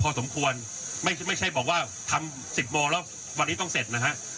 พอสมควรไม่ใช่บอกว่าทำ๑๐โมงแล้ววันนี้ต้องเสร็จนะฮะ